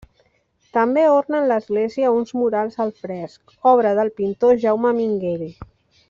També ornen l'església uns murals al fresc, obra del pintor Jaume Minguell.